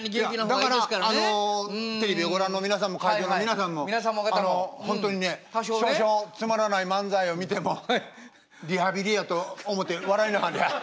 だからあのテレビをご覧の皆さんも会場の皆さんもあのほんとにね少々つまらない漫才を見てもリハビリやと思て笑いなはれや。